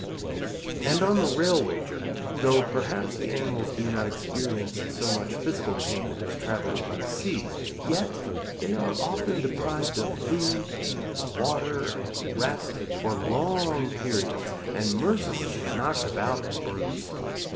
And on the railway journey, though perhaps the animals do not experience so much physical pain as travelling by sea, yet they are often deprived of food, and water, and rest, for long periods, and mercilessly knocked about and bruised.